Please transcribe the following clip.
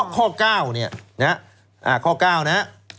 ข้อ๙นี่ข้อ๙นะ